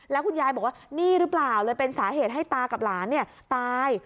แล้วคุณยายบอกว่านี่หรือเปล่าเลยเป็นสาเหตุให้ตากับหลานตาย